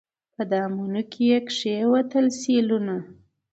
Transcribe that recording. په دامونو کي یې کښېوتل سېلونه